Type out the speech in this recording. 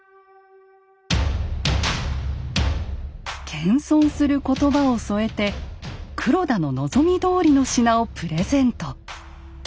謙遜する言葉を添えて黒田の望みどおりの品をプレゼント。